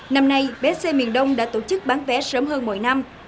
năm nay bến xe miền đông đã tổ chức bán vé sớm hơn mỗi năm